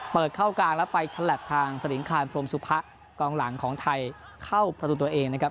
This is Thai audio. เปิดเข้ากลางแล้วไปฉลับทางสลิงคารพรมสุภะกองหลังของไทยเข้าประตูตัวเองนะครับ